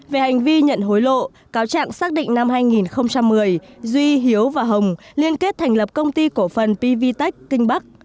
về hành vi nhận hối lộ cáo trạng xác định năm hai nghìn một mươi duy hiếu và hồng liên kết thành lập công ty cổ phần pvtec kinh bắc